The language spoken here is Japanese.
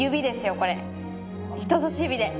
これ人さし指で。